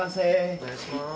お願いします。